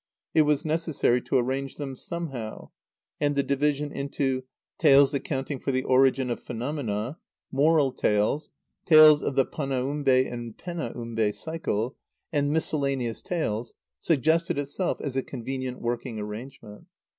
It was necessary to arrange them somehow; and the division into "Tales Accounting for the Origin of Phenomena," "Moral Tales," "Tales of the Panaumbe and Penaumbe Cycle," and "Miscellaneous Tales," suggested itself as a convenient working arrangement.